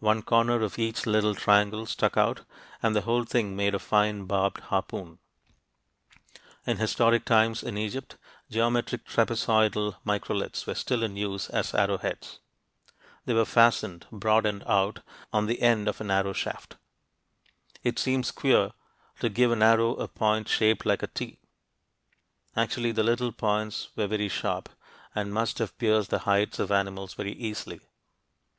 One corner of each little triangle stuck out, and the whole thing made a fine barbed harpoon. In historic times in Egypt, geometric trapezoidal microliths were still in use as arrowheads. They were fastened broad end out on the end of an arrow shaft. It seems queer to give an arrow a point shaped like a "T." Actually, the little points were very sharp, and must have pierced the hides of animals very easily.